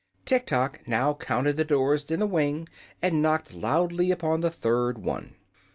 Tiktok now counted the doors in the wing and knocked loudly upon the third one.